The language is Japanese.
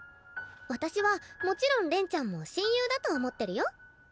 私はもちろん恋ちゃんも親友だと思ってるよ。